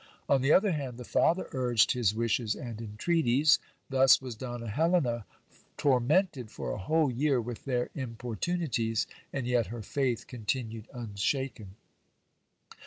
On the other hand, the father urged his wishes and entreaties. Thus was Donna Helena tormented for a whole year with their importunities, and yet her faith continued unshaken.